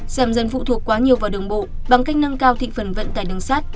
giảm dân phụ thuộc quá nhiều vào đường bộ bằng cách nâng cao thị phần vận tải đường sát